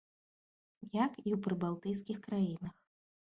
Як і ў прыбалтыйскіх краінах.